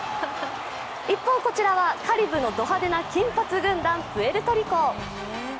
一方、こちらはカリブのド派手な金髪軍団、プエルトリコ。